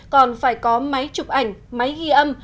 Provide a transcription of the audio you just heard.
còn phải có máy chụp ảnh máy ghi âm